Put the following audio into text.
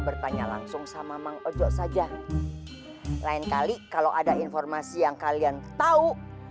bertanya langsung sama mang ojo saja lain kali kalau ada informasi yang kalian tahu